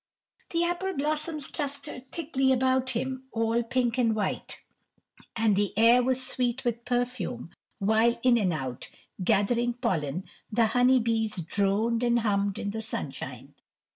The apple blossoms clustered thickly about him, all pink and white, and the air was sweet with perfume, while in and out, gathering pollen, the honey bees droned and hummed in the sunshine.